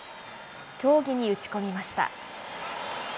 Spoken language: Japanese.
競技に打ち込みました。